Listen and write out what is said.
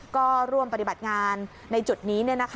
ก็ร่วมปฏิบัติงานในจุดนี้